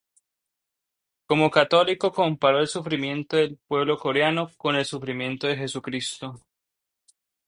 Como católico, comparó el sufrimiento del pueblo coreano con el sufrimiento de Jesucristo.